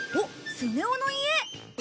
スネ夫の家。